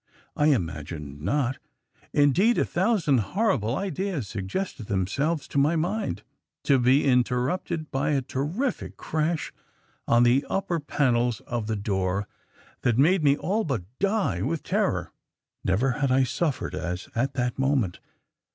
I imagined not! Indeed, a thousand horrible ideas suggested themselves to my mind to be interrupted by a terrific crash on the upper panels of the door that made me all but die with terror. Never had I suffered as at that moment.